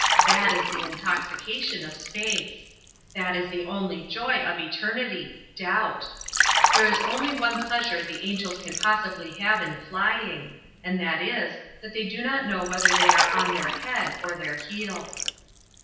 That is the intoxication of space. That is the only joy of eternity doubt. There is only one pleasure the angels can possibly have in flying, and that is, that they do not know whether they are on their head or their heels."